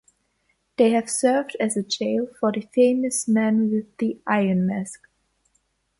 They have served as a jail for the famous man with the iron mask.